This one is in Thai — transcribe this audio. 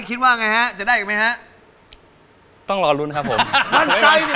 คิดว่าไงฮะจะได้อีกไหมฮะต้องรอลุ้นครับผมมั่นใจสิ